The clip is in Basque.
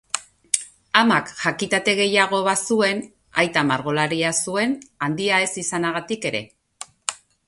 Amak jakitate gehiago bazuen, aita margolaria zuen, handia ez izanagatik ere.